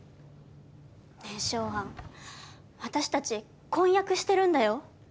ねえショウアン私たち婚約してるんだよ。